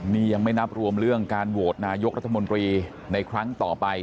นี่ยังไม่นับรวมเรื่องการโหวตนายกรัฐมนตรีในครั้งต่อไป